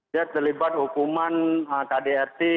dia terlibat hukuman kdn